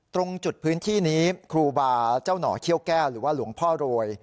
ตรงจุดพื้นที่นี้ครูบาเจ้าหน่อเขี้ยวแก้วหรือว่าหลวงพ่อโรย